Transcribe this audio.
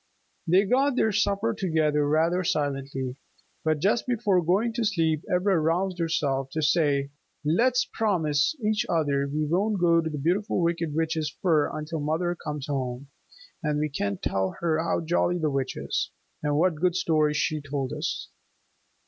They got their supper together rather silently. But just before going to sleep Ivra roused herself to say, "Let's promise each other we won't go to the Beautiful Wicked Witch's fir until mother comes home, and we can tell her how jolly the Witch is, and what good stories she told us."